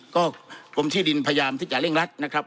ก็กรมที่ดินพยายามที่จะเร่งรัดนะครับ